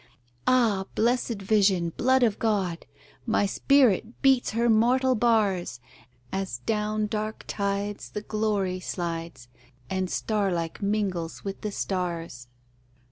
Ah, blessed vision! blood of God! My spirit beats her mortal bars, As down dark tides the glory slides, And star like mingles with the stars.